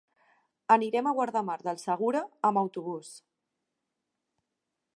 Anirem a Guardamar del Segura amb autobús.